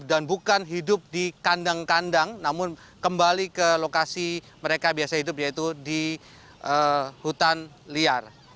dan bukan hidup di kandang kandang namun kembali ke lokasi mereka biasa hidup yaitu di hutan liar